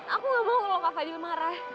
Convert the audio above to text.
aku gak mau kalau kak fadil marah